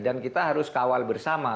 dan kita harus kawal bersama